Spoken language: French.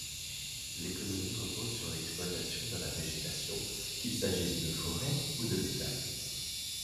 L'économie repose sur l'exploitation de la végétation, qu'il s'agisse de forêts ou de bétail.